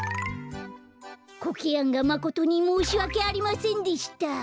コケヤンがまことにもうしわけありませんでした。